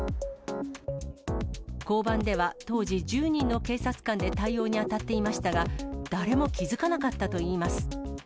交番では当時、１０人の警察官で対応に当たっていましたが、誰も気付かなかったといいます。